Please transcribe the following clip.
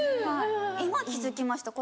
今気付きました